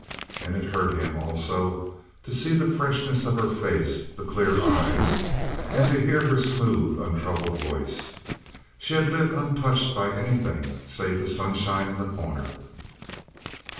And it hurt him, also, to see the freshness of her face, the clear eyes; and to hear her smooth, untroubled voice. She had lived untouched by anything save the sunshine in The Corner.